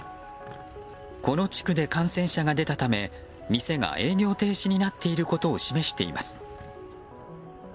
この地区で感染者が出たため店が営業停止になっていることを示しています。